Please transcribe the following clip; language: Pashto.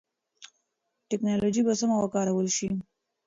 ټکنالوژي به سمه وکارول شي.